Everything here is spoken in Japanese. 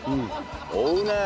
追うねえ。